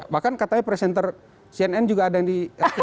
bahkan katanya presenter cnn juga ada yang di